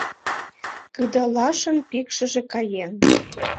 Кыдалашын пикшыже каен